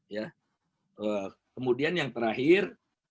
ya kemudian yang terakhir